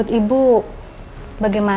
ini juga sangat menarik